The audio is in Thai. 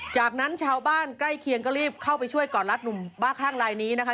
จากนั้นชาวบ้านใกล้เคียงก็รีบเข้าไปช่วยกอดรัดหนุ่มบ้าคลั่งลายนี้นะคะ